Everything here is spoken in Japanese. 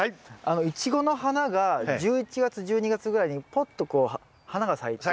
イチゴの花が１１月１２月ぐらいにぽっとこう花が咲いて。